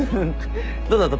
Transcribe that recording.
どうだった？